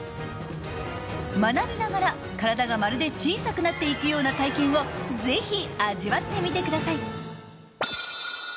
学びながら、体がまるで小さくなっていくような体験をぜひ、味わってみてください。